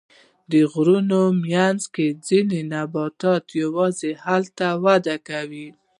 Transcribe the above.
د غرونو منځ کې ځینې نباتات یوازې هلته وده کوي.